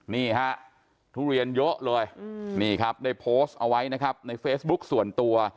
นี่ฮะทุเรียนเยอะเลยนี่ครับได้โพสต์เอาไว้นะครับในเฟซบุ๊คส่วนตัว